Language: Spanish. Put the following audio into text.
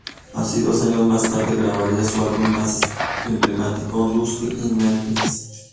Así, dos años más tarde grabaría su álbum más emblemático, "Dusty in Memphis".